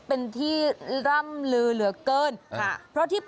เป็นที่ร่ำลือเหลือเกินค่ะ